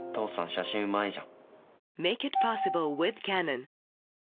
写真うまいじゃん。